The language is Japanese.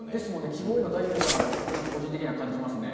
希望への第一歩かなと、なんか個人的には感じますね。